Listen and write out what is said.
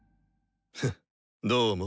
フッどうも。